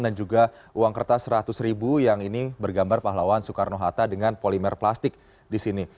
dan juga uang kertas seratus ribu yang ini bergambar pahlawan soekarno hatta dengan polimer plastik di sini